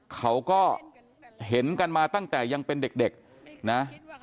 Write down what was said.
เขาก็เห็นกันมาตั้งแต่ยังเป็นเด็กนะ